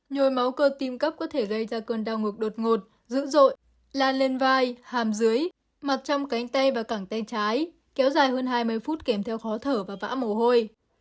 nhồi máu cơ tim cấp có thể gây ra cơn đau ngược đột ngột dữ dội lan lên vai hàm dưới mặt trong cánh tay và cản tay trái kéo dài hơn hai mươi phút kèm theo khó thở và vã mồ hôi